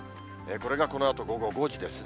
これがこのあと午後５時ですね。